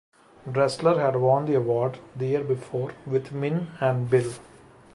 Dressler had won the award the year before with "Min and Bill".